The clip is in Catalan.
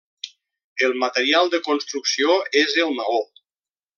El material de construcció és el maó.